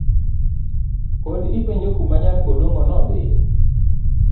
Pod ipenjo kuma nyar kodongo no dhie.